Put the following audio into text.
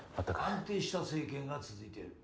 安定した政権が続いている。